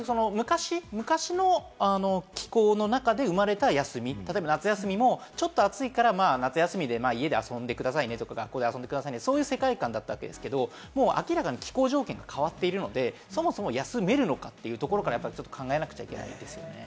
昔の気候の中で生まれた休み、例えば夏休みもちょっと暑いから夏休みで家で遊んでくださいねとか、学校で遊んでくださいねという世界観だったんですけれども、明らかに気候条件が変わっているので、そもそも休めるのかというところから考えなくちゃいけないですね。